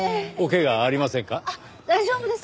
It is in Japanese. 大丈夫です。